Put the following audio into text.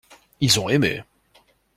Ils ont aimé.